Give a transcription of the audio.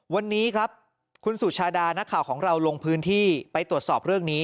วันนี้ครับคุณสุชาดานักข่าวของเราลงพื้นที่ไปตรวจสอบเรื่องนี้